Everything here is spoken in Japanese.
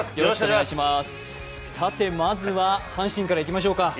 さて、まずは阪神からいきましょうか。